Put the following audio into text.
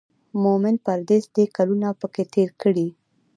مومن پردېس دی کلونه به پکې تېر کړي.